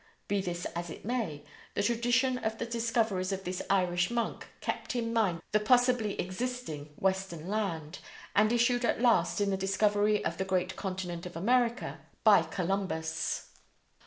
Be this as it may, the tradition of the discoveries of this Irish monk kept in mind the possibly existing western land, and issued at last in the discovery of the great continent of America by Columbus.